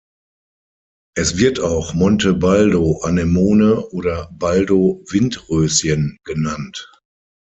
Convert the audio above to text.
Es wird auch Monte Baldo-Anemone oder Baldo-Windröschen genannt.